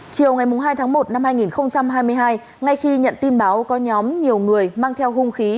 chiều ngày hai tháng một năm hai nghìn hai mươi hai ngay khi nhận tin báo có nhóm nhiều người mang theo hung khí